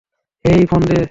Hey, phone they.